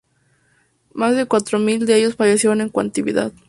Más de cuatro mil de ellos fallecieron en cautividad.